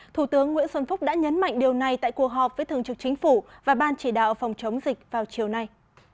thủ tướng nguyễn xuân phúc đã nhấn mạnh điều này tại cuộc họp với thường trực chính phủ và ban chỉ đạo phòng chống dịch vào chiều nay